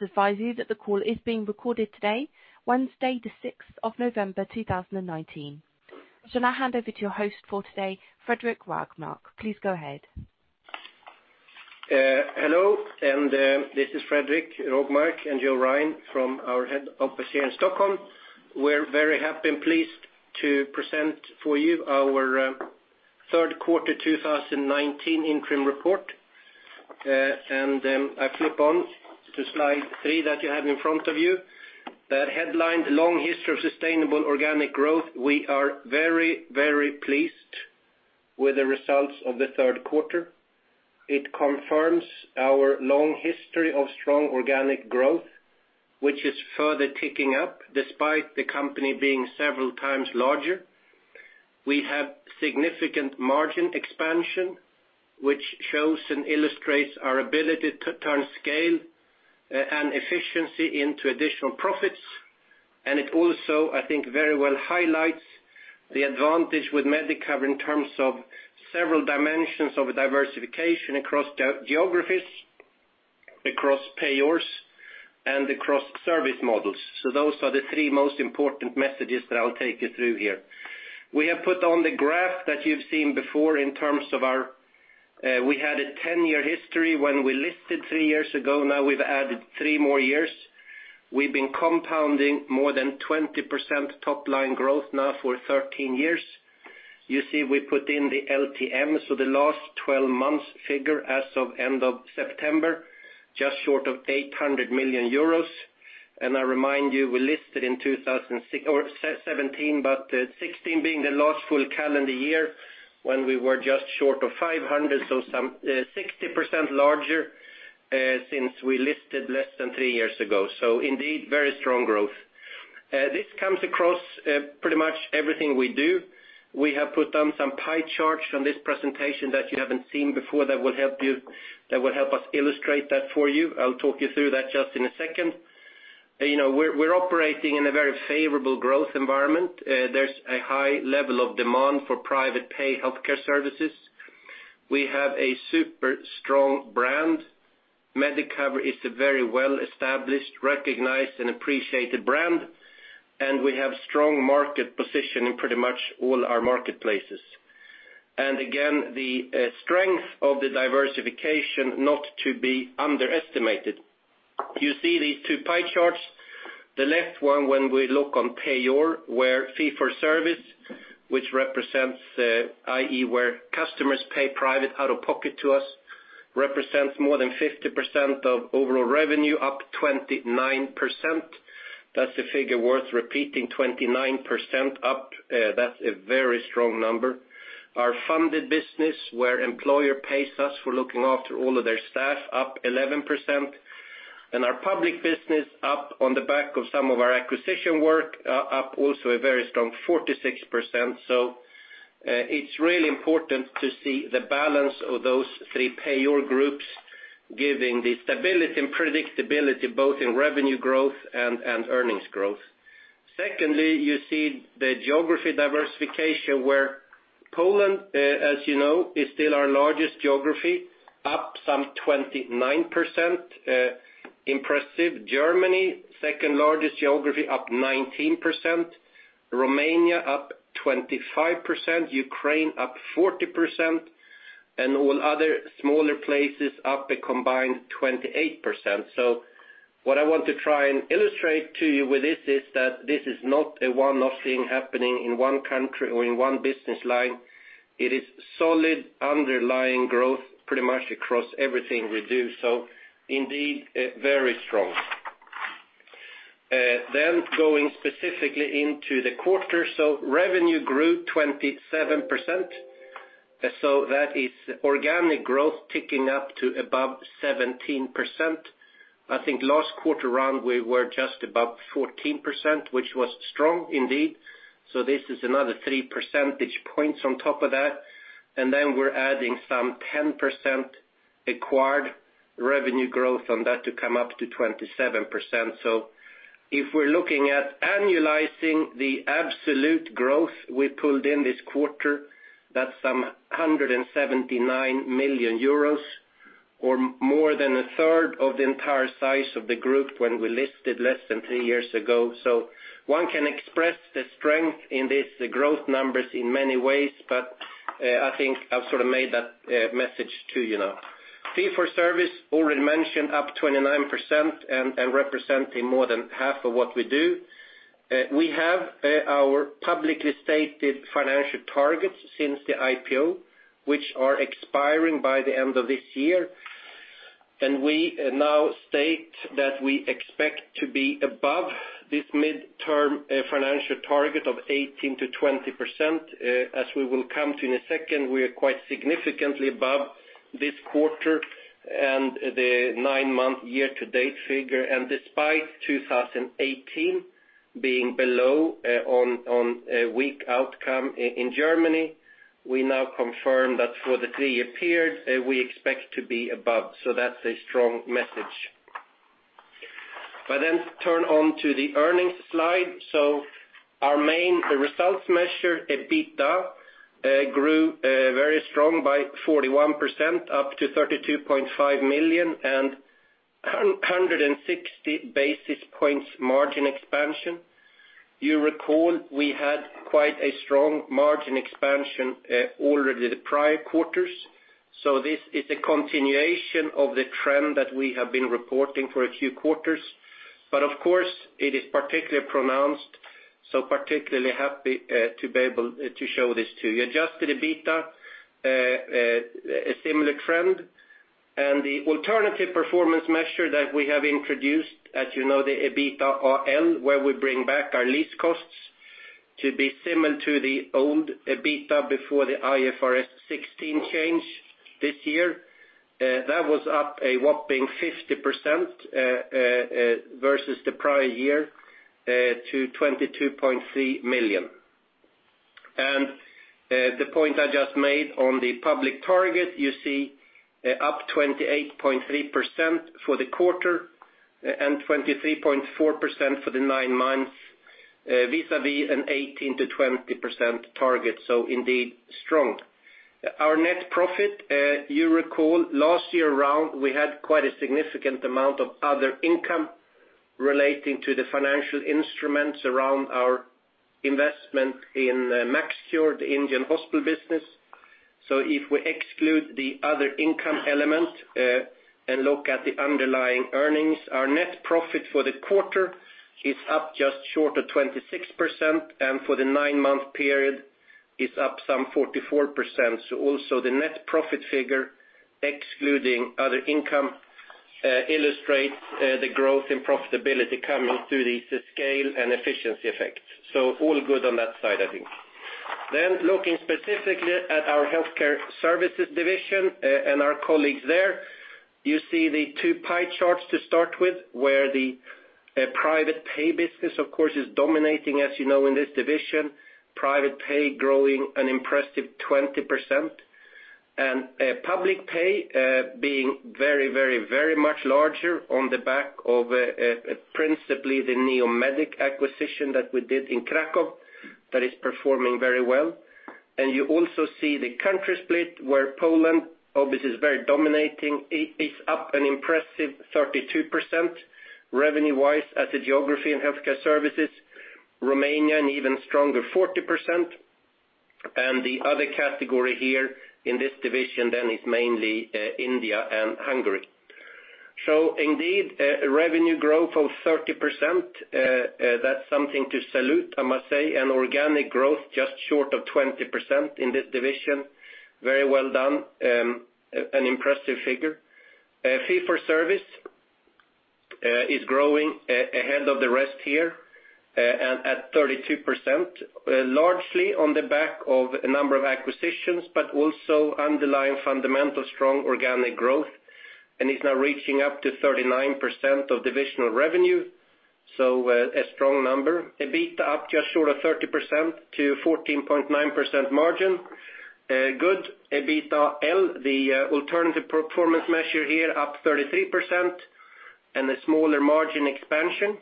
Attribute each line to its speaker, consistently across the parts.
Speaker 1: Advise you that the call is being recorded today, Wednesday, the 6th of November, 2019. I shall now hand over to your host for today, Fredrik Rågmark. Please go ahead.
Speaker 2: Hello, this is Fredrik Rågmark and Joe Ryan from our head office here in Stockholm. We're very happy and pleased to present for you our third quarter 2019 interim report. I flip on to slide three that you have in front of you that headlined Long History of Sustainable Organic Growth. We are very, very pleased with the results of the third quarter. It confirms our long history of strong organic growth, which is further ticking up despite the company being several times larger. We have significant margin expansion, which shows and illustrates our ability to turn scale and efficiency into additional profits. It also, I think very well, highlights the advantage with Medicover in terms of several dimensions of diversification across geographies, across payors, and across service models. Those are the three most important messages that I'll take you through here. We have put on the graph that you've seen before. We had a 10-year history when we listed three years ago. Now we've added three more years. We've been compounding more than 20% top-line growth now for 13 years. You see, we put in the LTM, so the last 12 months figure as of end of September, just short of 800 million euros. I remind you, we listed in 2017, but 2016 being the last full calendar year when we were just short of 500 million, so some 60% larger since we listed less than three years ago. Indeed, very strong growth. This comes across pretty much everything we do. We have put on some pie charts on this presentation that you haven't seen before that will help us illustrate that for you. I'll talk you through that just in a second. We're operating in a very favorable growth environment. There's a high level of demand for private pay healthcare services. We have a super strong brand. Medicover is a very well-established, recognized, and appreciated brand, and we have strong market position in pretty much all our marketplaces. Again, the strength of the diversification not to be underestimated. You see these two pie charts. The left one, when we look on payor, where fee for service, which represents, i.e., where customers pay private out-of-pocket to us, represents more than 50% of overall revenue, up 29%. That's a figure worth repeating, 29% up. That's a very strong number. Our funded business, where employer pays us for looking after all of their staff, up 11%. Our public business up on the back of some of our acquisition work, up also a very strong 46%. It's really important to see the balance of those three payor groups giving the stability and predictability both in revenue growth and earnings growth. Secondly, you see the geography diversification, where Poland, as you know, is still our largest geography, up some 29%, impressive. Germany, second largest geography, up 19%. Romania up 25%, Ukraine up 40%, and all other smaller places up a combined 28%. What I want to try and illustrate to you with this is that this is not a one-off thing happening in one country or in one business line. It is solid underlying growth pretty much across everything we do. Indeed, very strong. Going specifically into the quarter. Revenue grew 27%. That is organic growth ticking up to above 17%. I think last quarter run, we were just above 14%, which was strong indeed. This is another three percentage points on top of that. Then we're adding some 10% acquired revenue growth on that to come up to 27%. If we're looking at annualizing the absolute growth we pulled in this quarter, that's some 179 million euros or more than a third of the entire size of the group when we listed less than three years ago. One can express the strength in the growth numbers in many ways, but I think I've sort of made that message to you now. fee for service already mentioned up 29% and representing more than half of what we do. We have our publicly stated financial targets since the IPO, which are expiring by the end of this year. We now state that we expect to be above this midterm financial target of 18%-20%. As we will come to in a second, we are quite significantly above this quarter and the nine-month year-to-date figure. Despite 2018 being below on a weak outcome in Germany, we now confirm that for the three-year period, we expect to be above. That's a strong message. Turn on to the earnings slide. Our main results measure, EBITDA, grew very strong by 41%, up to 32.5 million and 160 basis points margin expansion. You recall we had quite a strong margin expansion already the prior quarters. This is a continuation of the trend that we have been reporting for a few quarters. Of course, it is particularly pronounced, so particularly happy to be able to show this to you. Adjusted EBITDA, a similar trend, and the alternative performance measure that we have introduced, as you know, the EBITDAL, where we bring back our lease costs to be similar to the old EBITDA before the IFRS 16 change this year. That was up a whopping 50% versus the prior year to 22.3 million. The point I just made on the public target, you see up 28.3% for the quarter and 23.4% for the nine months vis-à-vis an 18%-20% target, so indeed strong. Our net profit, you recall last year around, we had quite a significant amount of other income relating to the financial instruments around our investment in MaxCure, the Indian hospital business. If we exclude the other income element and look at the underlying earnings, our net profit for the quarter is up just short of 26%, and for the nine-month period is up some 44%. The net profit figure excluding other income illustrates the growth in profitability coming through the scale and efficiency effect. All good on that side, I think. Looking specifically at our healthcare services division and our colleagues there, you see the two pie charts to start with, where the private pay business, of course, is dominating, as you know, in this division. Private pay growing an impressive 20%. Public pay being very much larger on the back of principally the Neomedic acquisition that we did in Krakow that is performing very well. You also see the country split where Poland obviously is very dominating. It is up an impressive 32% revenue-wise as a geography in healthcare services. Romania an even stronger 40%. The other category here in this division then is mainly India and Hungary. Indeed, revenue growth of 30%, that's something to salute, I must say, and organic growth just short of 20% in this division. Very well done. An impressive figure. Fee for service is growing ahead of the rest here at 32%, largely on the back of a number of acquisitions, but also underlying fundamental strong organic growth and is now reaching up to 39% of divisional revenue, so a strong number. EBITDA up just short of 30% to 14.9% margin. Good. EBITDAL, the alternative performance measure here, up 33%, and a smaller margin expansion.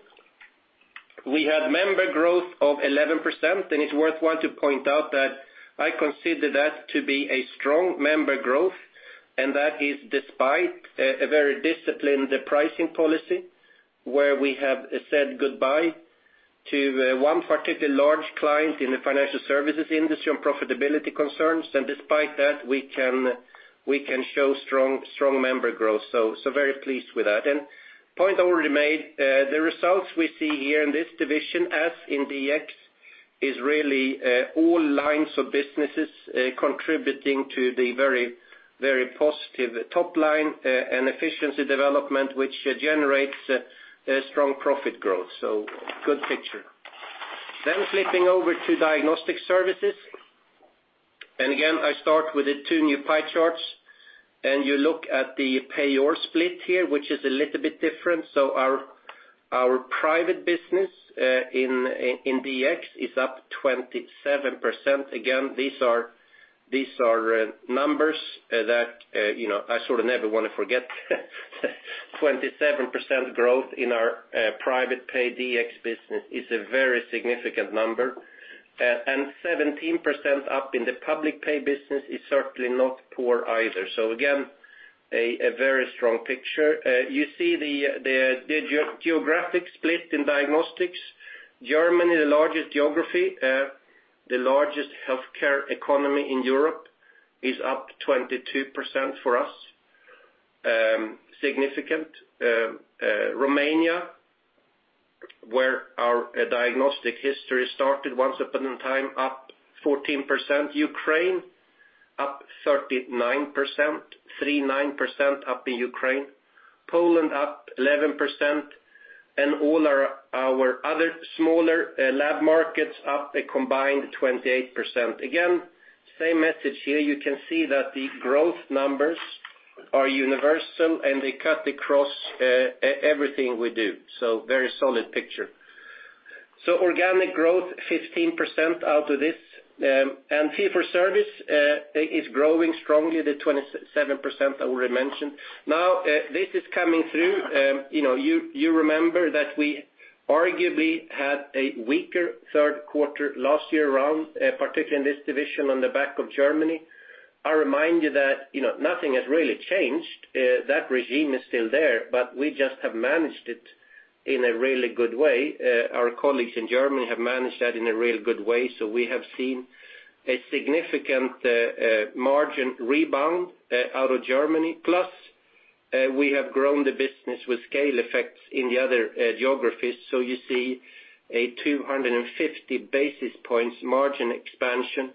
Speaker 2: We had member growth of 11%. It's worthwhile to point out that I consider that to be a strong member growth, and that is despite a very disciplined pricing policy where we have said goodbye to one particular large client in the financial services industry on profitability concerns. Despite that, we can show strong member growth. Very pleased with that. Point already made, the results we see here in this division, as in DX, is really all lines of businesses contributing to the very positive top line and efficiency development, which generates strong profit growth. Good picture. Flipping over to diagnostic services. Again, I start with the two new pie charts, and you look at the payer split here, which is a little bit different. Our private business in DX is up 27%. Again, these are numbers that I sort of never want to forget. 27% growth in our private pay DX business is a very significant number. 17% up in the public pay business is certainly not poor either. Again, a very strong picture. You see the geographic split in diagnostics. Germany, the largest geography, the largest healthcare economy in Europe, is up 22% for us. Significant. Romania, where our diagnostic history started once upon a time, up 14%. Ukraine up 39%, 39% up in Ukraine. Poland up 11%. All our other smaller lab markets up a combined 28%. Again, same message here. You can see that the growth numbers are universal, and they cut across everything we do. Very solid picture. Organic growth 15% out of this, fee for service is growing strongly, the 27% I already mentioned. This is coming through. You remember that we arguably had a weaker third quarter last year around, particularly in this division on the back of Germany. I remind you that nothing has really changed. That regime is still there, but we just have managed it in a really good way. Our colleagues in Germany have managed that in a real good way, so we have seen a significant margin rebound out of Germany. Plus, we have grown the business with scale effects in the other geographies. You see a 250 basis points margin expansion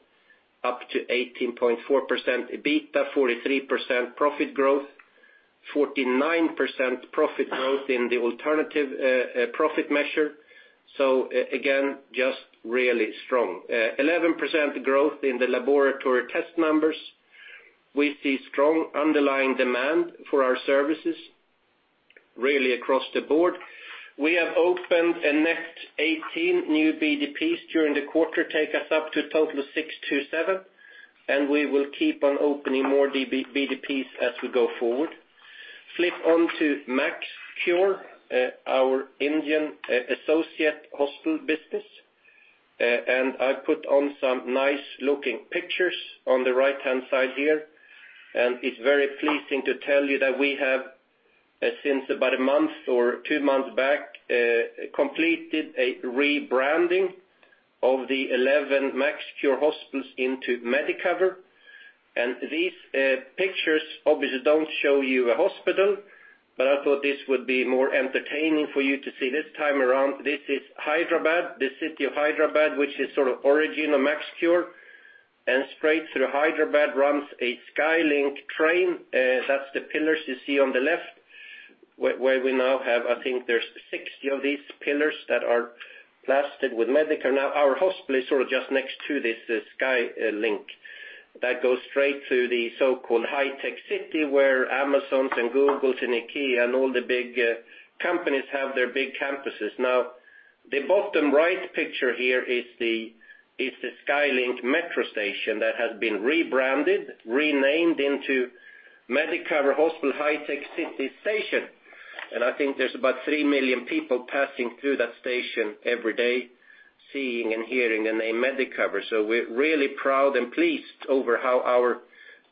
Speaker 2: up to 18.4% EBITDA, 43% profit growth, 49% profit growth in the alternative profit measure. Again, just really strong. 11% growth in the laboratory test numbers. We see strong underlying demand for our services really across the board. We have opened a net 18 new BDPs during the quarter, take us up to a total of 627. We will keep on opening more BDPs as we go forward. Flip on to MaxCure, our Indian associate hospital business. I put on some nice-looking pictures on the right-hand side here. It's very pleasing to tell you that we have, since about a month or two months back, completed a rebranding of the 11 MaxCure hospitals into Medicover. These pictures obviously don't show you a hospital. I thought this would be more entertaining for you to see this time around. This is Hyderabad, the city of Hyderabad, which is sort of origin of MaxCure. Straight through Hyderabad runs a Skylink train. That's the pillars you see on the left, where we now have, I think there's 60 of these pillars that are plastered with Medicover now. Our hospital is sort of just next to this Skylink that goes straight to the so-called Hi-Tech City, where Amazons and Googles and IKEA and all the big companies have their big campuses. The bottom right picture here is the Skylink metro station that has been rebranded, renamed into Medicover Hospital Hi-Tech City Station. I think there's about 3 million people passing through that station every day, seeing and hearing the name Medicover. We're really proud and pleased over how our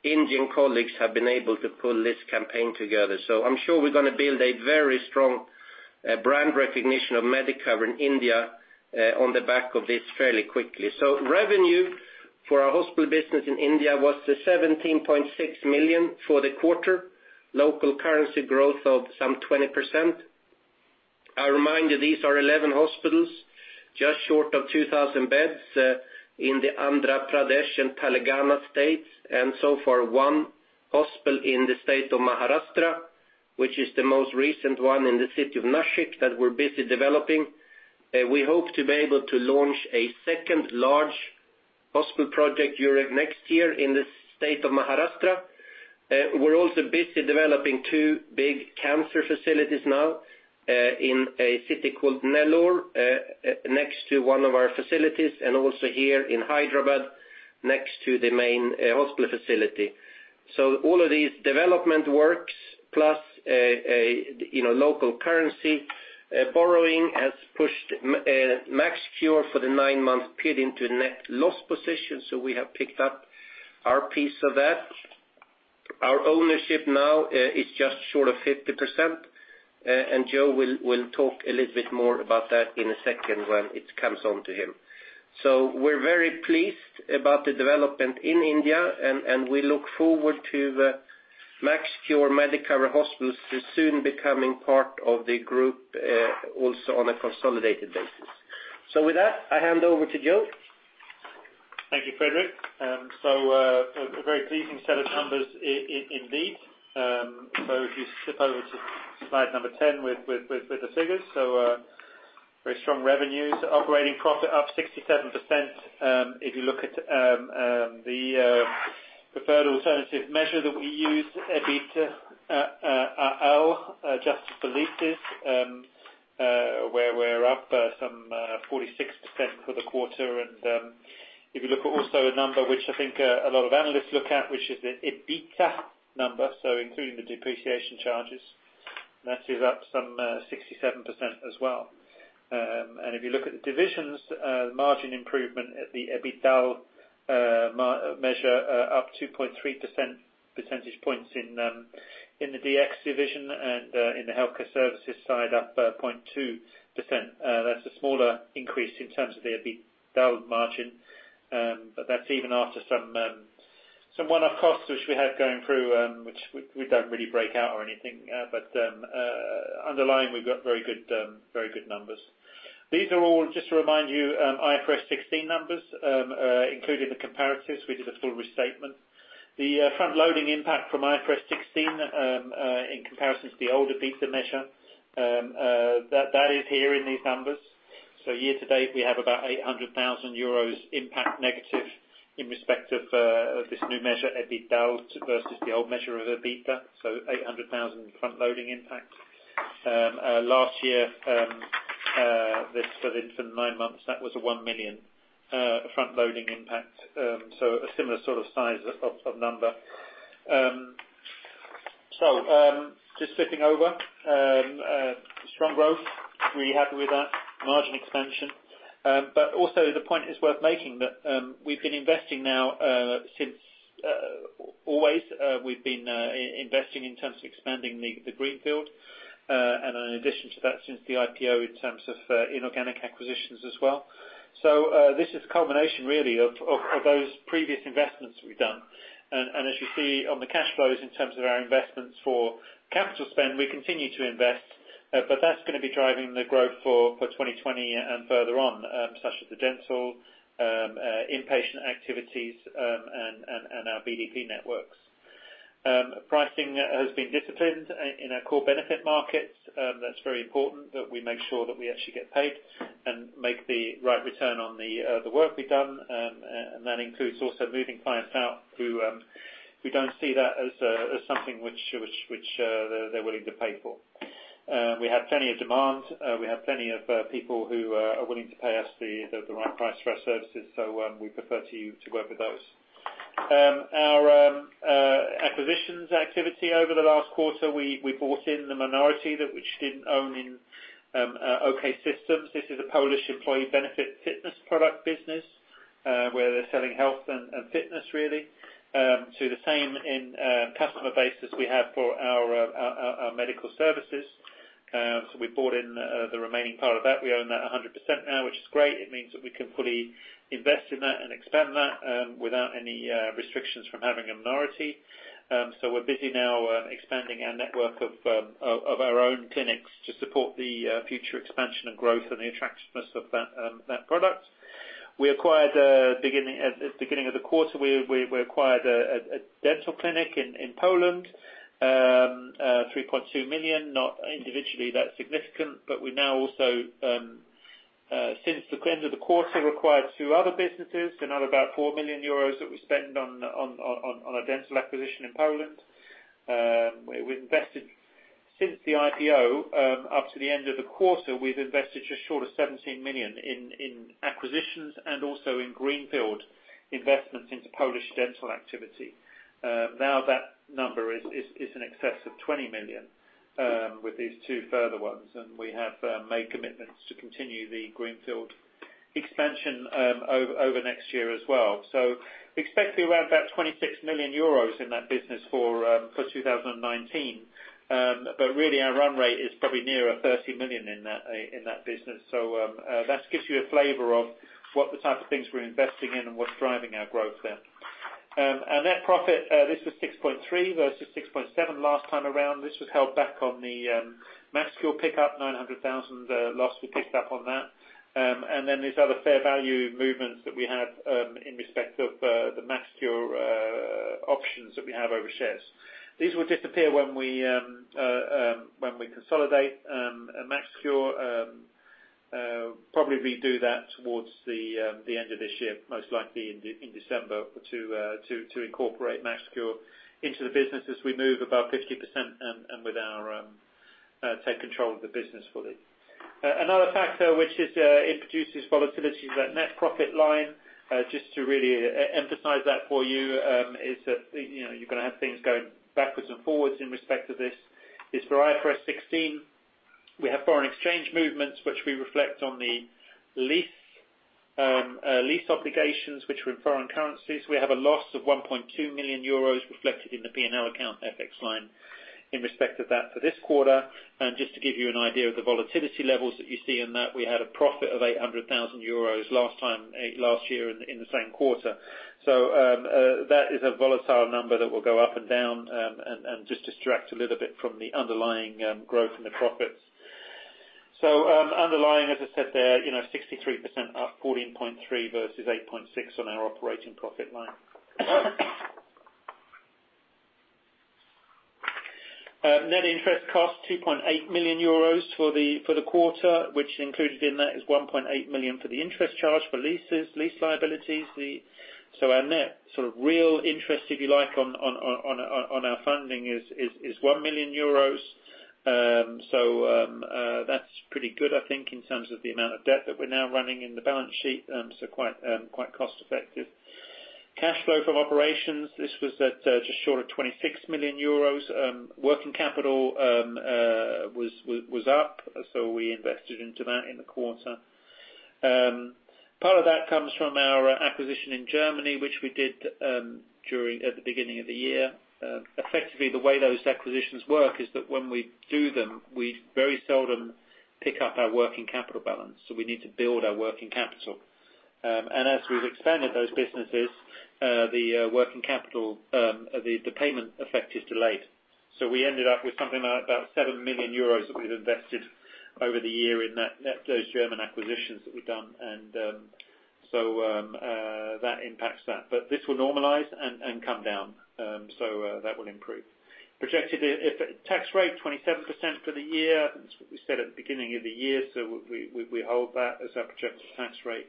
Speaker 2: Indian colleagues have been able to pull this campaign together. I'm sure we're going to build a very strong brand recognition of Medicover in India on the back of this fairly quickly. Revenue for our hospital business in India was 17.6 million for the quarter. Local currency growth of some 20%. I remind you, these are 11 hospitals, just short of 2,000 beds in the Andhra Pradesh and Telangana states. So far, one hospital in the state of Maharashtra, which is the most recent one in the city of Nashik that we're busy developing. We hope to be able to launch a second large hospital project during next year in the state of Maharashtra. We're also busy developing two big cancer facilities now in a city called Nellore, next to one of our facilities, and also here in Hyderabad, next to the main hospital facility. All of these development works, plus local currency borrowing has pushed MaxCure for the nine-month period into a net loss position, so we have picked up our piece of that. Our ownership now is just short of 50%. Joe will talk a little bit more about that in a second when it comes on to him. We're very pleased about the development in India. We look forward to MaxCure Medicover hospitals soon becoming part of the group also on a consolidated basis. With that, I hand over to Joe.
Speaker 3: Thank you, Fredrik. A very pleasing set of numbers, indeed. If you flip over to slide number 10 with the figures. Very strong revenues. Operating profit up 67%. If you look at the preferred alternative measure that we use, EBITDA, adjusted for leases, where we're up some 46% for the quarter. If you look at also a number which I think a lot of analysts look at, which is the EBITDA number, so including the depreciation charges, that is up some 67% as well. If you look at the divisions margin improvement at the EBITDA measure, up 2.3% percentage points in the DX division and in the healthcare services side up 0.2%. That's a smaller increase in terms of the EBITDA margin. That's even after some one-off costs which we had going through, which we don't really break out or anything. Underlying, we've got very good numbers. These are all, just to remind you, IFRS 16 numbers, including the comparatives. We did a full restatement. The front-loading impact from IFRS 16 in comparison to the older EBITDA measure, that is here in these numbers. Year to date, we have about 800,000 euros impact negative in respect of this new measure, EBITDAL, versus the old measure of EBITDA, 800,000 front-loading impact. Last year, for the nine months, that was a 1 million front-loading impact. A similar sort of size of number. Just flipping over. Strong growth, really happy with that margin expansion. Also the point is worth making that we've been investing now since always. We've been investing in terms of expanding the greenfield. In addition to that, since the IPO, in terms of inorganic acquisitions as well. This is a culmination, really, of those previous investments we've done. As you see on the cash flows, in terms of our investments for capital spend, we continue to invest. That's going to be driving the growth for 2020 and further on, such as the dental, inpatient activities, and our BDP networks. Pricing has been disciplined in our core benefit markets. That's very important that we make sure that we actually get paid and make the right return on the work we've done. That includes also moving clients out who don't see that as something which they're willing to pay for. We have plenty of demand, we have plenty of people who are willing to pay us the right price for our services. We prefer to work with those. Our acquisitions activity over the last quarter, we brought in the minority that which didn't own in OK System. This is a Polish employee benefit fitness product business, where they're selling health and fitness, really. To the same customer base as we have for our medical services. We bought in the remaining part of that. We own that 100% now, which is great. It means that we can fully invest in that and expand that without any restrictions from having a minority. We're busy now expanding our network of our own clinics to support the future expansion and growth and the attractiveness of that product. At the beginning of the quarter, we acquired a dental clinic in Poland. 3.2 million, not individually that significant. We now also, since the end of the quarter, acquired two other businesses. Another about 4 million euros that we spent on a dental acquisition in Poland. Since the IPO, up to the end of the quarter, we've invested just short of 17 million in acquisitions and also in greenfield investments into Polish dental activity. That number is in excess of 20 million with these two further ones. We have made commitments to continue the greenfield expansion over next year as well. Expect to be around about 26 million euros in that business for 2019. Really, our run rate is probably nearer 30 million in that business. That gives you a flavor of what the type of things we're investing in and what's driving our growth there. Our net profit, this was 6.3 million versus 6.7 million last time around. This was held back on the MaxCure pickup. 900,000 loss we picked up on that. These other fair value movements that we had in respect of the MaxCure options that we have over shares. These will disappear when we consolidate MaxCure. Probably redo that towards the end of this year, most likely in December, to incorporate MaxCure into the business as we move above 50% and take control of the business fully. Another factor which introduces volatility to that net profit line, just to really emphasize that for you, is that you're going to have things going backwards and forwards in respect of this, is for IFRS 16. We have foreign exchange movements which we reflect on the lease obligations which were in foreign currencies. We have a loss of 1.2 million euros reflected in the P&L account FX line in respect of that for this quarter. Just to give you an idea of the volatility levels that you see in that, we had a profit of 800,000 euros last year in the same quarter. That is a volatile number that will go up and down, and just distract a little bit from the underlying growth in the profits. Underlying, as I said there, 63% up, 14.3 versus 8.6 on our operating profit line. Net interest cost, 2.8 million euros for the quarter, which included in that is 1.8 million for the interest charge for leases, lease liabilities. Our net real interest, if you like, on our funding is 1 million euros. That's pretty good, I think, in terms of the amount of debt that we're now running in the balance sheet. Quite cost effective. Cash flow from operations. This was at just short of 26 million euros. Working capital was up. We invested into that in the quarter. Part of that comes from our acquisition in Germany, which we did at the beginning of the year. Effectively, the way those acquisitions work is that when we do them, we very seldom pick up our working capital balance. We need to build our working capital. As we've expanded those businesses, the working capital, the payment effect is delayed. We ended up with something about 7 million euros that we've invested over the year in those German acquisitions that we've done. That impacts that. This will normalize and come down. That will improve. Projected tax rate 27% for the year. That's what we said at the beginning of the year, so we hold that as our projected tax rate.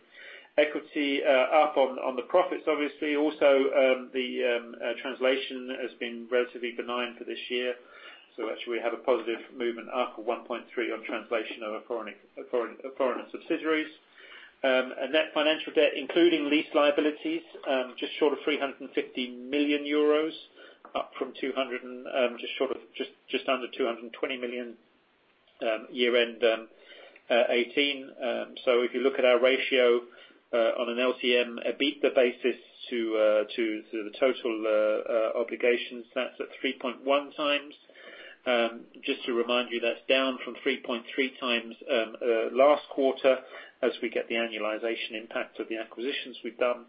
Speaker 3: Equity up on the profits, obviously. The translation has been relatively benign for this year. Actually we have a positive movement up of 1.3 on translation of our foreign subsidiaries. Net financial debt, including lease liabilities, just short of 350 million euros, up from just under 220 million, year-end 2018. If you look at our ratio on an LTM, EBITDA basis to the total obligations, that's at 3.1 times. Just to remind you, that's down from 3.3 times last quarter as we get the annualization impact of the acquisitions we've done.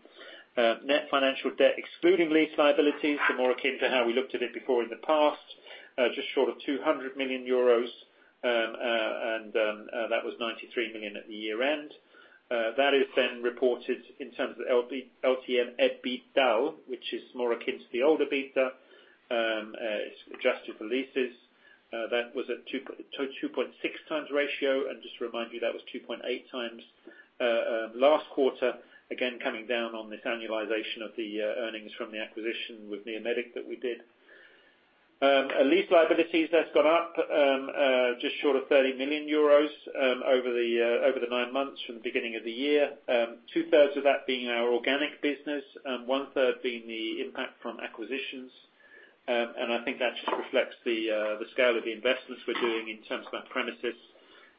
Speaker 3: Net financial debt excluding lease liabilities, so more akin to how we looked at it before in the past, just short of 200 million euros, and that was 93 million at the year-end. That is then reported in terms of LTM, EBITDA, which is more akin to the older EBITDA. It's adjusted for leases. That was at 2.6 times ratio, and just to remind you, that was 2.8 times last quarter. Coming down on this annualization of the earnings from the acquisition with Neomedic that we did. Lease liabilities, that's gone up just short of 30 million euros over the nine months from the beginning of the year. Two-thirds of that being our organic business, one-third being the impact from acquisitions. I think that just reflects the scale of the investments we're doing in terms of our premises.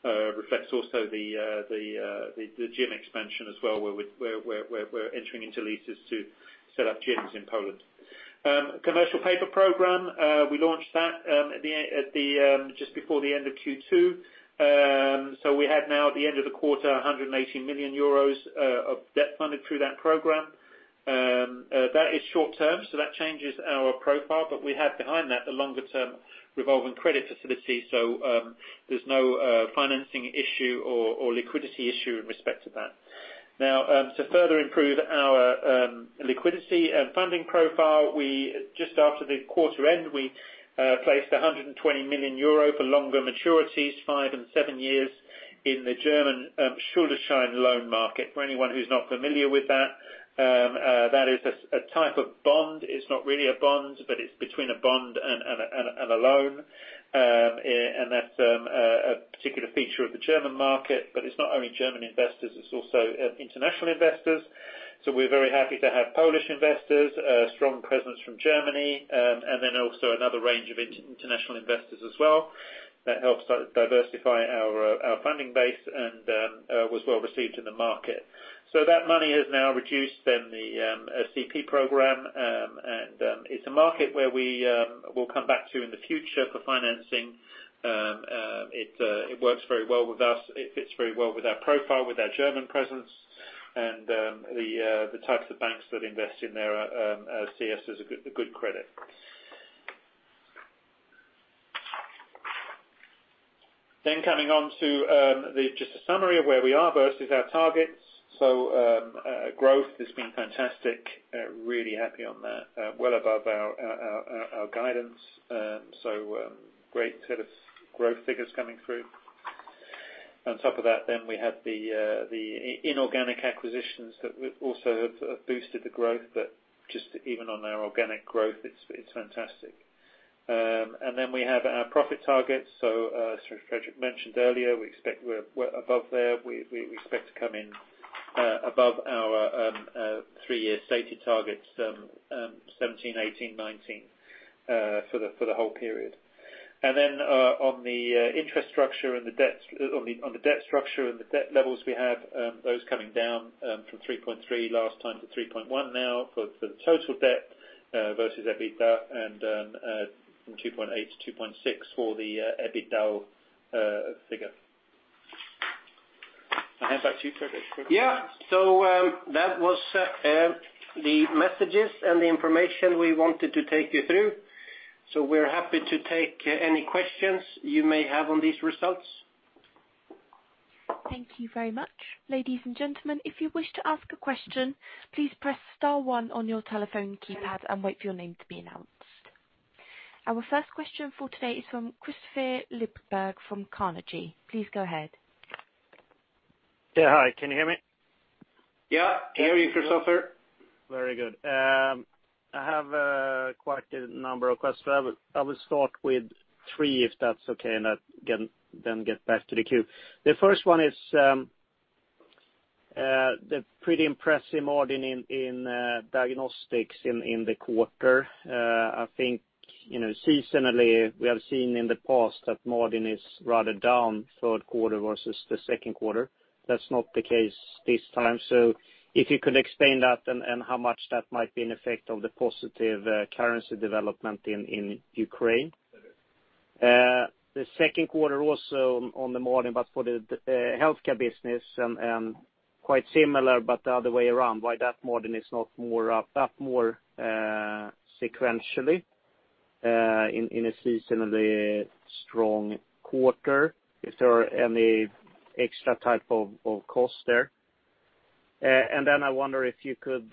Speaker 3: Reflects also the gym expansion as well, where we're entering into leases to set up gyms in Poland. commercial paper program, we launched that just before the end of Q2. We have now, at the end of the quarter, 180 million euros of debt funded through that program. That is short-term, so that changes our profile, but we have behind that the longer term revolving credit facility. There's no financing issue or liquidity issue in respect to that. Now, to further improve our liquidity and funding profile, just after the quarter end, we placed 120 million euro for longer maturities, five and seven years, in the German Schuldschein loan market. For anyone who's not familiar with that is a type of bond. It's not really a bond, but it's between a bond and a loan. That's a particular feature of the German market, but it's not only German investors, it's also international investors. We're very happy to have Polish investors, a strong presence from Germany, and then also another range of international investors as well. That helps diversify our funding base and was well received in the market. That money has now reduced then the CP program, and it's a market where we will come back to in the future for financing. It works very well with us. It fits very well with our profile, with our German presence, and the types of banks that invest in there see us as a good credit. Coming on to just a summary of where we are versus our targets. Growth has been fantastic. Really happy on that. Well above our guidance. Great set of growth figures coming through. On top of that then we have the inorganic acquisitions that also have boosted the growth, but just even on our organic growth, it's fantastic. We have our profit targets. As Fredrik mentioned earlier, we expect we're above there. We expect to come in above our three-year stated targets, 2017, 2018, 2019, for the whole period. On the debt structure and the debt levels we have, those coming down from 3.3 last time to 3.1 now for the total debt versus EBITDA, and from 2.8 to 2.6 for the EBITDA figure. I hand back to you, Fredrik.
Speaker 2: Yeah. That was the messages and the information we wanted to take you through. We're happy to take any questions you may have on these results.
Speaker 1: Thank you very much. Ladies and gentlemen, if you wish to ask a question, please press star one on your telephone keypad and wait for your name to be announced. Our first question for today is from Kristofer Liljeberg from Carnegie. Please go ahead.
Speaker 4: Yeah. Hi, can you hear me?
Speaker 2: Yeah, can hear you, Kristofer.
Speaker 4: Very good. I have quite a number of questions. I will start with three, if that's okay, and then get back to the queue. The first one is the pretty impressive margin in diagnostics in the quarter. I think seasonally, we have seen in the past that margin is rather down third quarter versus the second quarter. That's not the case this time. If you could explain that and how much that might be an effect of the positive currency development in Ukraine. The second quarter also on the margin, but for the healthcare business, quite similar but the other way around. Why that margin is not more up, that more sequentially, in a seasonally strong quarter? Is there any extra type of cost there? I wonder if you could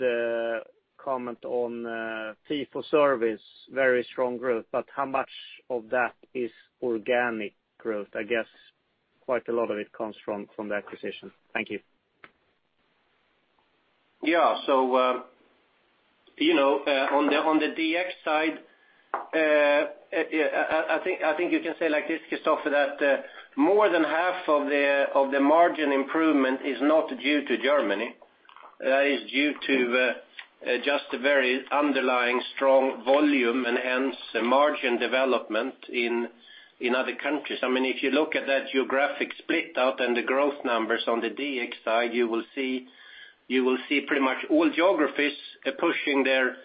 Speaker 4: comment on fee-for-service, very strong growth, but how much of that is organic growth? I guess quite a lot of it comes from the acquisition. Thank you.
Speaker 2: Yeah. On the DX side, I think you can say it like this, Kristofer, that more than half of the margin improvement is not due to Germany. That is due to just a very underlying strong volume and hence the margin development in other countries. If you look at that geographic split out and the growth numbers on the DX side, you will see pretty much all geographies are pushing their revenue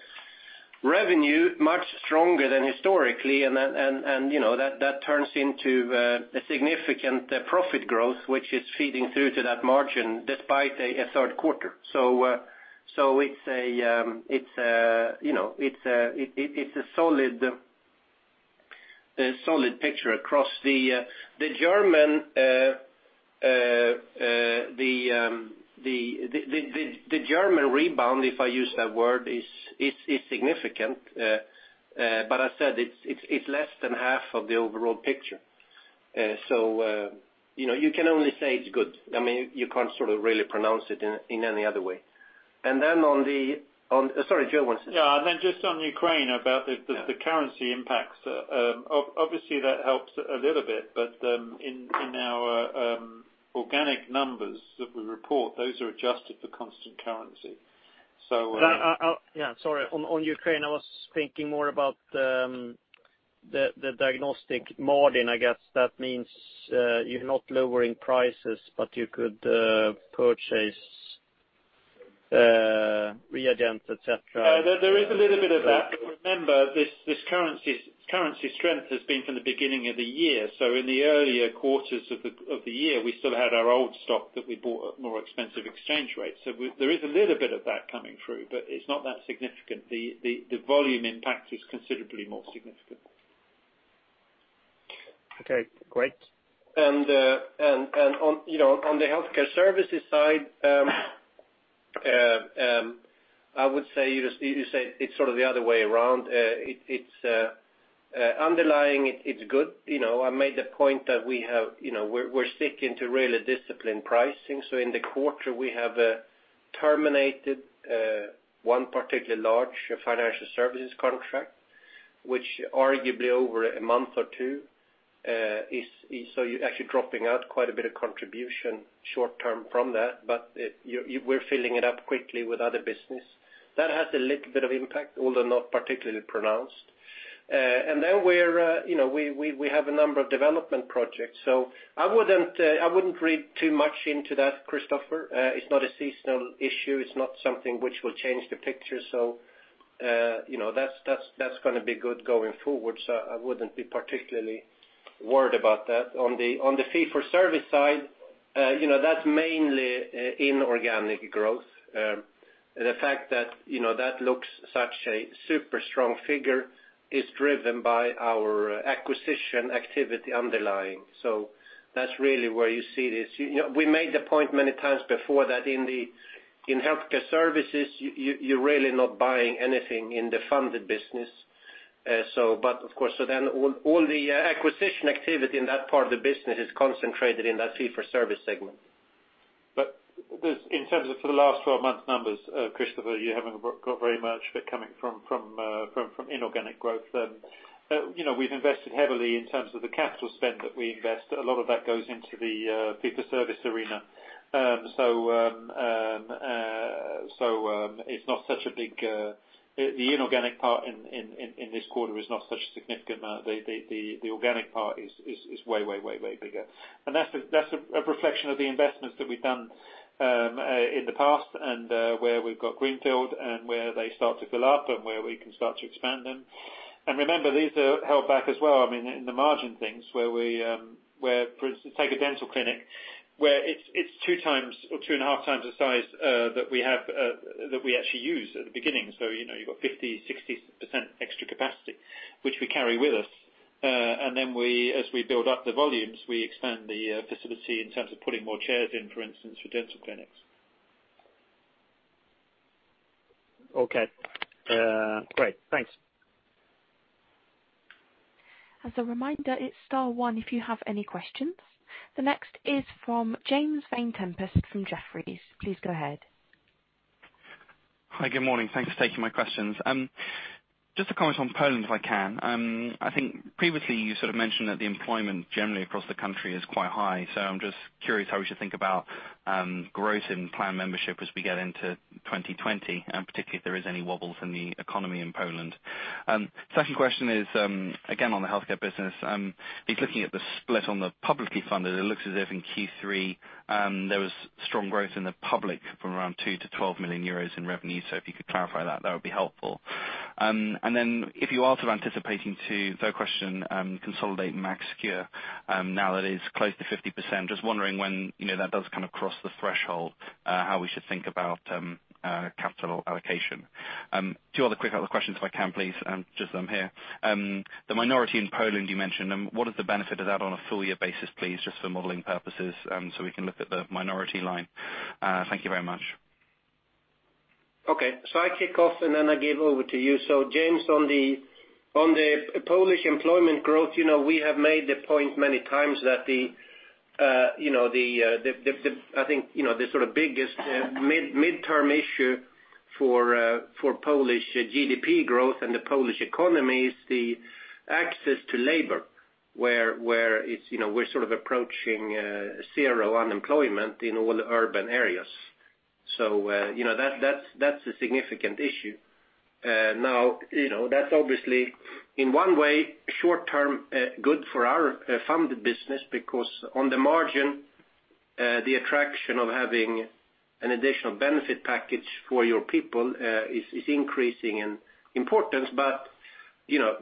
Speaker 2: much stronger than historically, and that turns into a significant profit growth, which is feeding through to that margin despite a third quarter. It's a solid picture across the German rebound, if I use that word, is significant. As I said, it's less than half of the overall picture. You can only say it's good. You can't really pronounce it in any other way. Sorry, Joe wants to say.
Speaker 3: Yeah. Then just on Ukraine, about the currency impacts. Obviously that helps a little bit, but in our organic numbers that we report, those are adjusted for constant currency.
Speaker 4: Yeah, sorry. On Ukraine, I was thinking more about the diagnostic margin, I guess that means you're not lowering prices, but you could purchase reagents, et cetera.
Speaker 3: There is a little bit of that. Remember, this currency strength has been from the beginning of the year, so in the earlier quarters of the year, we still had our old stock that we bought at more expensive exchange rates. There is a little bit of that coming through, but it's not that significant. The volume impact is considerably more significant.
Speaker 4: Okay, great.
Speaker 2: On the healthcare services side, I would say it's sort of the other way around. Underlying, it's good. I made the point that we're sticking to really disciplined pricing. In the quarter, we have terminated one particularly large financial services contract, which arguably over a month or two, is actually dropping out quite a bit of contribution short term from that. We're filling it up quickly with other business. That has a little bit of impact, although not particularly pronounced. Then we have a number of development projects. I wouldn't read too much into that, Kristofer. It's not a seasonal issue. It's not something which will change the picture. That's going to be good going forward. I wouldn't be particularly worried about that. On the fee-for-service side, that's mainly inorganic growth. The fact that looks such a super strong figure is driven by our acquisition activity underlying. That's really where you see this. We made the point many times before that in healthcare services, you're really not buying anything in the funded business. All the acquisition activity in that part of the business is concentrated in that fee-for-service segment.
Speaker 3: In terms of for the last 12 months numbers, Kristofer, you haven't got very much coming from inorganic growth. We've invested heavily in terms of the capital spend that we invest. A lot of that goes into the fee for service arena. It's not such a big-- the inorganic part in this quarter is not such a significant amount. The organic part is way bigger. That's a reflection of the investments that we've done in the past and where we've got greenfield and where they start to fill up and where we can start to expand them. Remember, these are held back as well in the margin things, where, for instance, take a dental clinic where it's 2 times or 2 and a half times the size that we actually use at the beginning. You've got 50%, 60% extra capacity, which we carry with us. As we build up the volumes, we expand the facility in terms of putting more chairs in, for instance, for dental clinics.
Speaker 4: Okay. Great. Thanks.
Speaker 1: As a reminder, it's star one if you have any questions. The next is from James Vane-Tempest from Jefferies. Please go ahead.
Speaker 5: Hi, good morning. Thanks for taking my questions. Just a comment on Poland, if I can. I think previously you sort of mentioned that the employment generally across the country is quite high. I'm curious how we should think about growth in plan membership as we get into 2020, and particularly if there is any wobbles in the economy in Poland. Second question is, again, on the healthcare business. Just looking at the split on the publicly funded, it looks as if in Q3, there was strong growth in the public from around 2 million-12 million euros in revenue. If you could clarify that would be helpful. If you are sort of anticipating to, third question, consolidate MaxCure, now that it's close to 50%, just wondering when that does kind of cross the threshold, how we should think about capital allocation. Two other quick questions if I can please, just them here. The minority in Poland you mentioned, what is the benefit of that on a full year basis, please, just for modeling purposes, so we can look at the minority line. Thank you very much.
Speaker 2: Okay. I kick off and then I give over to you. James, on the Polish employment growth, we have made the point many times that the biggest midterm issue for Polish GDP growth and the Polish economy is the access to labor, where we're approaching zero unemployment in all urban areas. That's a significant issue. Now, that's obviously, in one way, short term, good for our funded business, because on the margin, the attraction of having an additional benefit package for your people, is increasing in importance.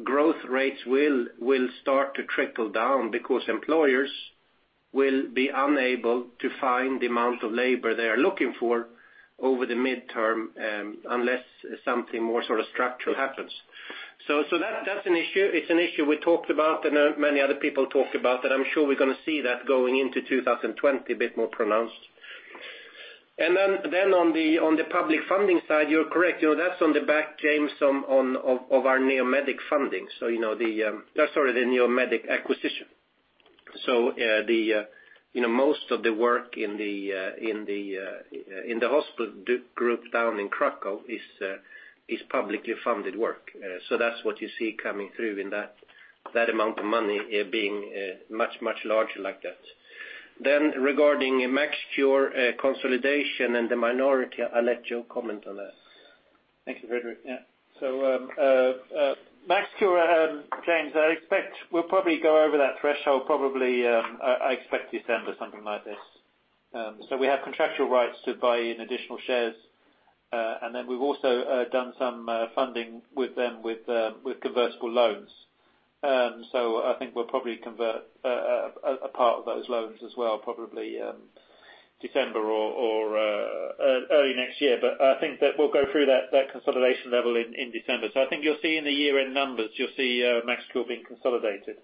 Speaker 2: Growth rates will start to trickle down because employers will be unable to find the amount of labor they are looking for over the midterm, unless something more structural happens. That's an issue. It's an issue we talked about, many other people talked about, I'm sure we're going to see that going into 2020 a bit more pronounced. On the public funding side, you're correct. That's on the back, James, of our Neomedic funding. Sorry, the Neomedic acquisition. Most of the work in the hospital group down in Kraków is publicly funded work. That's what you see coming through in that amount of money being much, much larger like that. Regarding MaxCure consolidation and the minority, I'll let you comment on that.
Speaker 3: Thank you, Fredrik. Yeah. MaxCure, James Vane-Tempest, I expect we'll probably go over that threshold probably, I expect December, something like this. We have contractual rights to buy in additional shares. We've also done some funding with them with convertible loans. I think we'll probably convert a part of those loans as well, probably December or early next year. I think that we'll go through that consolidation level in December. I think you'll see in the year-end numbers, you'll see MaxCure being consolidated.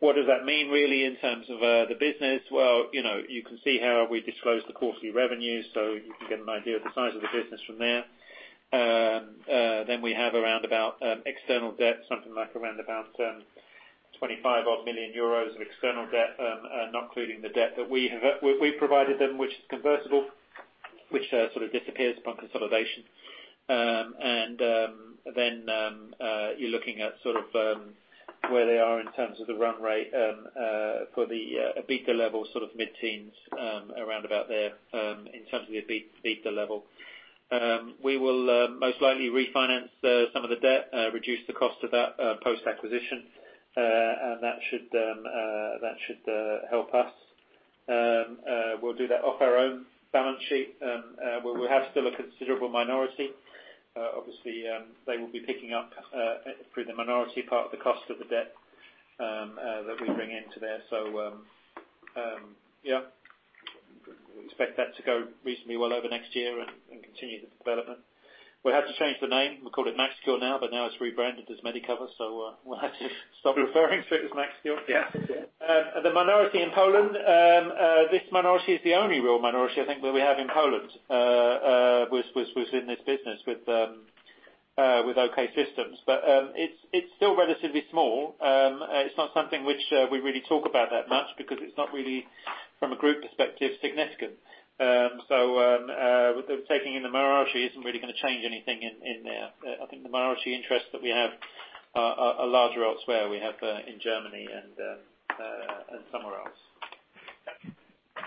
Speaker 3: What does that mean really in terms of the business? You can see how we disclose the quarterly revenues, so you can get an idea of the size of the business from there. We have around about external debt, something like around about 25 odd million of external debt, not including the debt that we provided them, which is convertible, which sort of disappears upon consolidation. You're looking at where they are in terms of the run rate for the EBITDA level, mid-teens, around about there, in terms of the EBITDA level. We will most likely refinance some of the debt, reduce the cost of that post-acquisition, and that should help us. We'll do that off our own balance sheet. We have still a considerable minority. Obviously, they will be picking up through the minority part of the cost of the debt that we bring into there. We expect that to go reasonably well over next year and continue the development. We had to change the name. We called it MaxCure now, but now it's rebranded as Medicover, so we'll have to stop referring to it as MaxCure.
Speaker 2: Yeah.
Speaker 3: The minority in Poland, this minority is the only real minority I think that we have in Poland within this business with OK System. It's still relatively small. It's not something which we really talk about that much because it's not really, from a group perspective, significant. Taking in the minority isn't really going to change anything in there. I think the minority interests that we have are larger elsewhere. We have in Germany and somewhere else.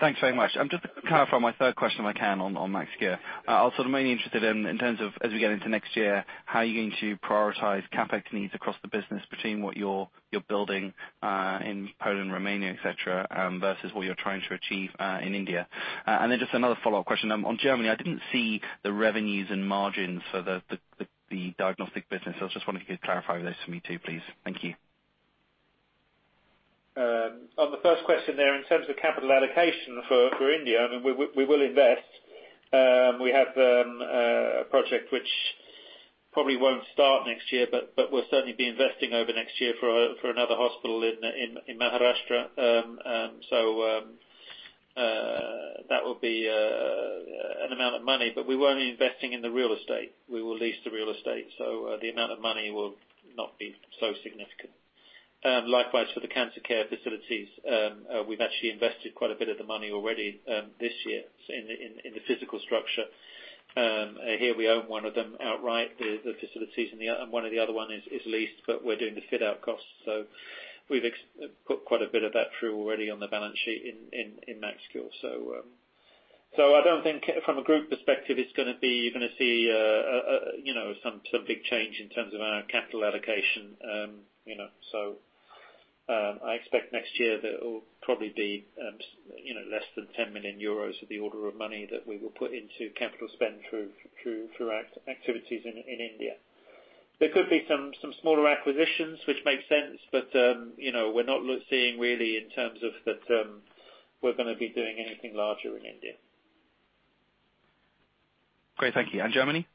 Speaker 5: Thanks very much. I'm just going to clarify my third question, if I can, on MaxCure. I was mainly interested in terms of as we get into next year, how are you going to prioritize CapEx needs across the business between what you're building in Poland, Romania, et cetera, versus what you're trying to achieve in India? Just another follow-up question. On Germany, I didn't see the revenues and margins for the diagnostic business. I was just wondering if you could clarify those for me too, please. Thank you.
Speaker 3: On the first question there, in terms of capital allocation for India, we will invest. We have a project which probably won't start next year, we'll certainly be investing over next year for another hospital in Maharashtra. That will be an amount of money. We won't be investing in the real estate. We will lease the real estate. The amount of money will not be so significant. Likewise for the cancer care facilities. We've actually invested quite a bit of the money already this year in the physical structure. Here we own one of them outright, the facilities. One of the other ones is leased, we're doing the fit-out costs. We've put quite a bit of that through already on the balance sheet in MaxCure. I don't think from a group perspective, you're going to see some big change in terms of our capital allocation. I expect next year that it will probably be less than 10 million euros of the order of money that we will put into capital spend through activities in India. There could be some smaller acquisitions which make sense. We're not seeing really in terms of that we're going to be doing anything larger in India.
Speaker 5: Great. Thank you. Germany?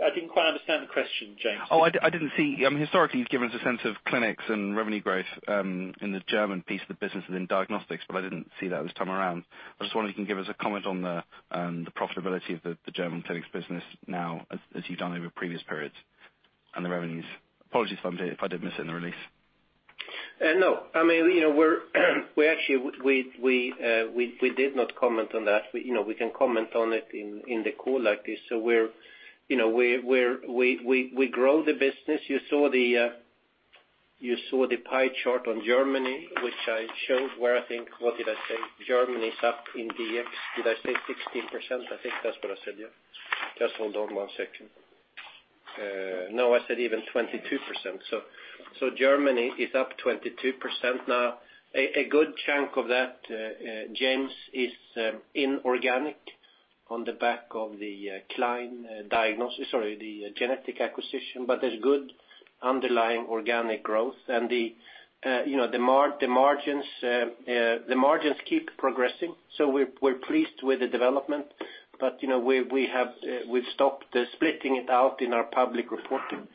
Speaker 3: I didn't quite understand the question, James.
Speaker 5: Oh, I didn't see. Historically, you've given us a sense of clinics and revenue growth in the German piece of the business within diagnostics, but I didn't see that this time around. I just wonder if you can give us a comment on the profitability of the German clinics business now as you've done over previous periods, and the revenues. Apologies, Dante, if I did miss it in the release.
Speaker 2: No. We actually did not comment on that. We can comment on it in the call like this. We grow the business. You saw the pie chart on Germany, which I showed where I think, what did I say? Germany is up in DX, did I say 16%? I think that's what I said, yeah. Just hold on one second. No, I said even 22%. Germany is up 22%. Now, a good chunk of that, James, is inorganic on the back of the Dr. Klein, or the genetic acquisition, but there's good underlying organic growth. The margins keep progressing. We're pleased with the development. We've stopped splitting it out in our public reporting.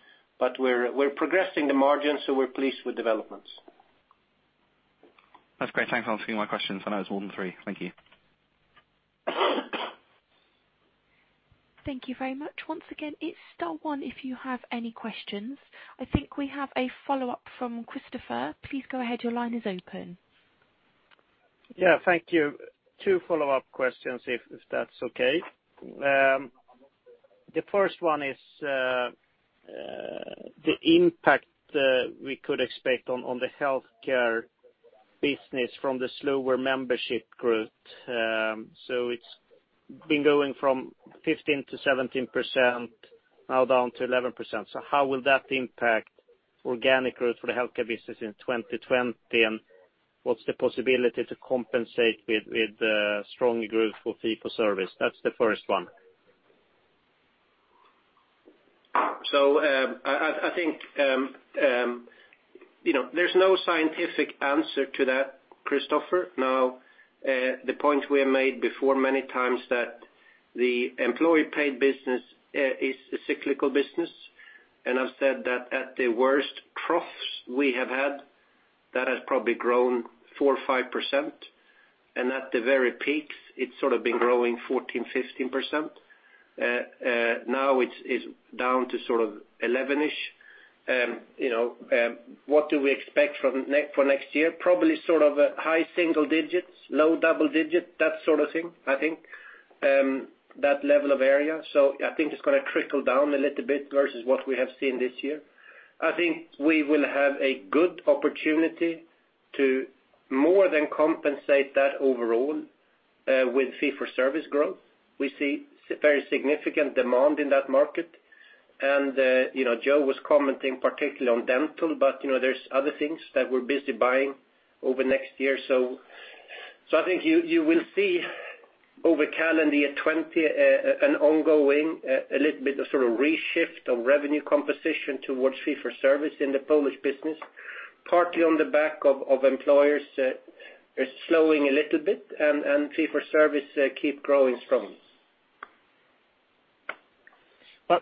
Speaker 2: We're progressing the margins, so we're pleased with developments.
Speaker 5: That's great. Thanks for answering my questions. I know it's more than three. Thank you.
Speaker 1: Thank you very much. Once again, it's star one if you have any questions. I think we have a follow-up from Kristofer. Please go ahead. Your line is open.
Speaker 4: Yeah. Thank you. Two follow-up questions if that's okay. The first one is the impact we could expect on the healthcare business from the slower membership growth. It's been going from 15%-17%, now down to 11%. How will that impact organic growth for the healthcare business in 2020, and what's the possibility to compensate with strong growth for fee for service? That's the first one.
Speaker 2: I think there's no scientific answer to that, Kristofer. Now, the point we have made before many times that the employee paid business is a cyclical business, and I've said that at the worst troughs we have had, that has probably grown 4% or 5%. At the very peaks, it's sort of been growing 14%, 15%. Now it's down to sort of 11-ish. What do we expect for next year? Probably sort of high single digits, low double digit, that sort of thing, I think, that level of area. I think it's going to trickle down a little bit versus what we have seen this year. I think we will have a good opportunity to more than compensate that overall with fee for service growth. We see very significant demand in that market. Joe was commenting particularly on dental, but there's other things that we're busy buying over next year. I think you will see over calendar 2020 an ongoing, a little bit of sort of reshift of revenue composition towards fee for service in the Polish business, partly on the back of employers slowing a little bit and fee for service keep growing strongly.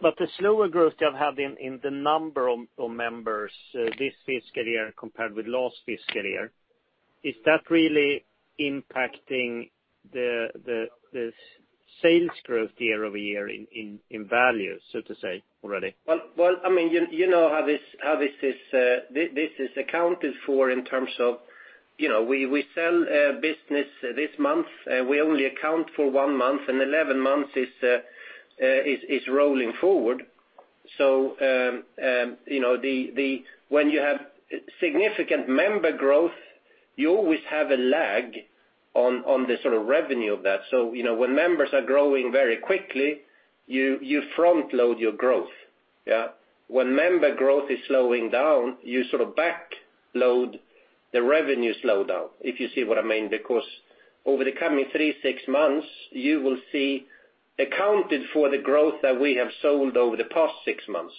Speaker 4: The slower growth you have had in the number of members this fiscal year compared with last fiscal year, is that really impacting the sales growth year-over-year in value, so to say, already?
Speaker 2: Well, you know how this is accounted for in terms of we sell a business this month, we only account for one month, 11 months is rolling forward. When you have significant member growth, you always have a lag on the revenue of that. When members are growing very quickly, you front load your growth. Yeah. When member growth is slowing down, you sort of back load the revenue slowdown, if you see what I mean. Over the coming three, six months, you will see accounted for the growth that we have sold over the past six months.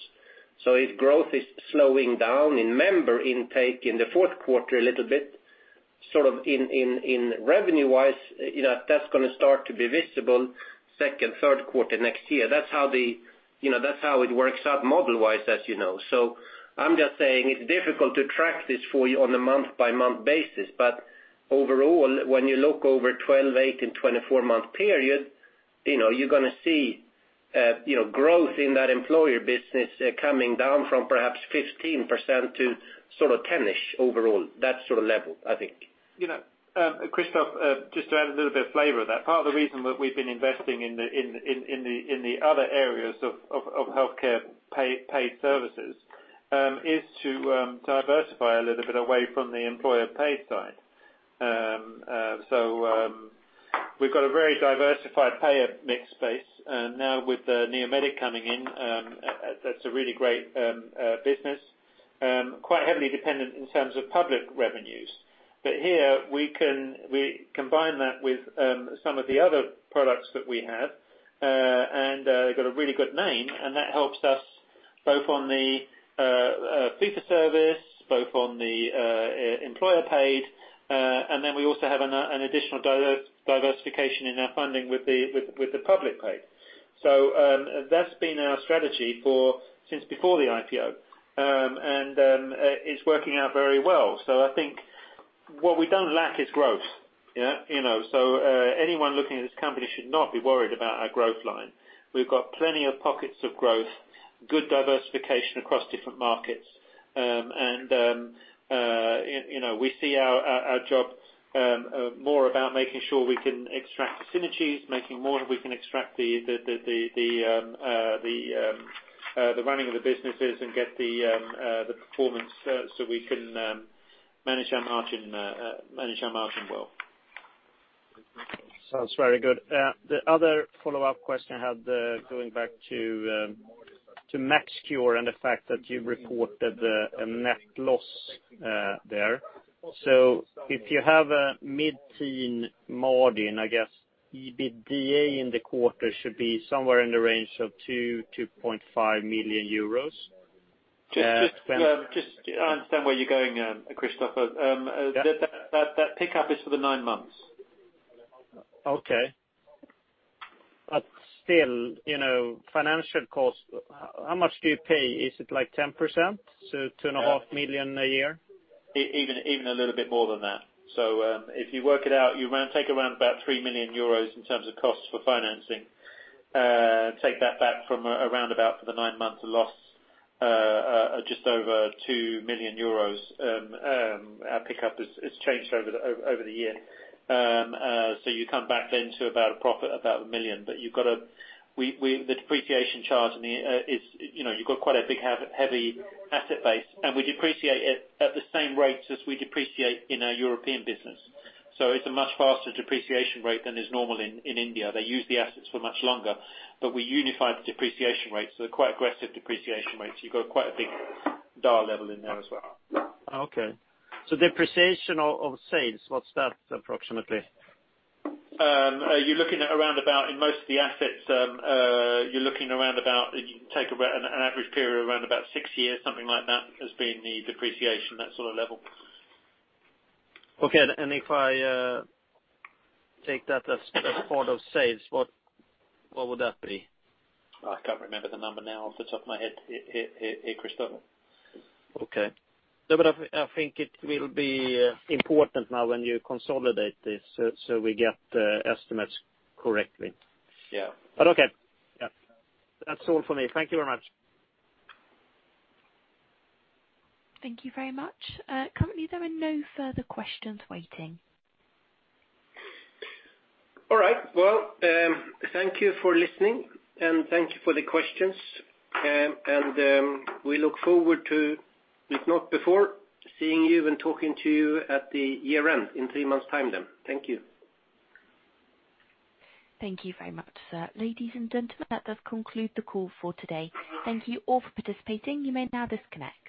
Speaker 2: If growth is slowing down in member intake in the fourth quarter a little bit, sort of in revenue-wise, that's going to start to be visible second, third quarter next year. That's how it works out model-wise, as you know. I'm just saying it's difficult to track this for you on a month-by-month basis. Overall, when you look over 12, eight, and 24-month period, you're going to see growth in that employer business coming down from perhaps 15% to sort of 10-ish overall. That sort of level, I think.
Speaker 3: Kristofer, just to add a little bit of flavor of that. Part of the reason that we've been investing in the other areas of healthcare paid services is to diversify a little bit away from the employer paid side. We've got a very diversified payer mix space. Now with Neomedic coming in, that's a really great business. Quite heavily dependent in terms of public revenues. Here we combine that with some of the other products that we have, and got a really good name, and that helps usBoth on the fee for service, both on the employer paid, and then we also have an additional diversification in our funding with the public paid. That's been our strategy since before the IPO, and it's working out very well. I think what we don't lack is growth. Anyone looking at this company should not be worried about our growth line. We've got plenty of pockets of growth, good diversification across different markets. We see our job more about making sure we can extract the synergies, making more that we can extract the running of the businesses and get the performance, so we can manage our margin well.
Speaker 4: Sounds very good. The other follow-up question I had, going back to MaxCure and the fact that you reported a net loss there. If you have a mid-teen margin, I guess EBITDA in the quarter should be somewhere in the range of 2 million to 2.5 million euros.
Speaker 3: Just to understand where you're going, Kristofer.
Speaker 4: Yeah.
Speaker 3: That pick-up is for the nine months.
Speaker 4: Okay. Still, financial cost, how much do you pay? Is it 10%? two and a half million a year?
Speaker 3: Even a little bit more than that. If you work it out, you take around about 3 million euros in terms of costs for financing. Take that back from around about for the nine months of loss, just over 2 million euros. Our pick-up has changed over the year. You come back then to about a profit of about 1 million. The depreciation charge, you've got quite a big, heavy asset base, and we depreciate it at the same rates as we depreciate in our European business. It's a much faster depreciation rate than is normal in India. They use the assets for much longer. We unified the depreciation rates, so they're quite aggressive depreciation rates. You've got quite a big D&A level in there as well.
Speaker 4: Okay. Depreciation of sales, what's that approximately?
Speaker 3: You're looking at around about, in most of the assets, you can take an average period of around about six years, something like that, has been the depreciation, that sort of level.
Speaker 4: Okay. If I take that as part of sales, what would that be?
Speaker 3: I can't remember the number now off the top of my head here, Kristofer.
Speaker 4: Okay. I think it will be important now when you consolidate this, so we get the estimates correctly.
Speaker 3: Yeah.
Speaker 4: Okay. Yeah. That's all for me. Thank you very much.
Speaker 1: Thank you very much. Currently, there are no further questions waiting.
Speaker 3: All right. Well, thank you for listening, and thank you for the questions. We look forward to, if not before, seeing you and talking to you at the year-end, in three months time then. Thank you.
Speaker 1: Thank you very much, sir. Ladies and gentlemen, that does conclude the call for today. Thank you all for participating. You may now disconnect.